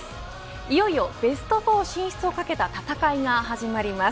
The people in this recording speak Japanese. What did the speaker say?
いよいよベスト４進出を懸けた戦いが始まります。